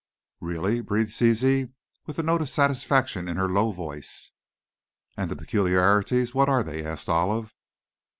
"Really!" breathed Zizi, with a note of satisfaction in her low voice. "And the peculiarities, what are they?" asked Olive.